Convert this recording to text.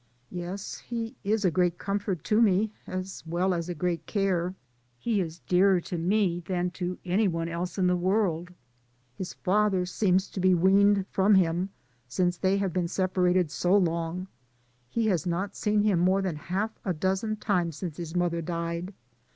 "Yes ; he is a great comfort to me, as well as a great care. He is dearer to me than to any one else in the world; his father seems to be weaned from him, since they have been DAYS ON THE ROAD. 27 separated so long. He has not seen him more than half a dozen times since his mother died.